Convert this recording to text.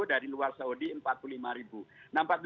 dari luar saudi rp empat puluh lima